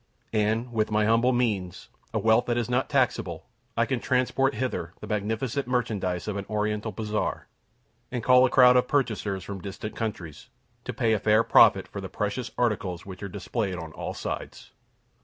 And, with my humble means, a wealth that is not taxable, I can transport hither the magnificent merchandise of an Oriental bazaar, and call a crowd of purchasers from distant countries, to pay a fair profit for the precious articles which are displayed on all sides.